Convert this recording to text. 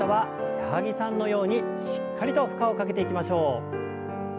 矢作さんのようにしっかりと負荷をかけていきましょう。